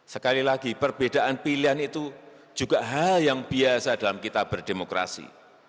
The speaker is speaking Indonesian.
sekali lagi perbedaan pilihan itu juga hal yang biasa dalam kita berdemokrasi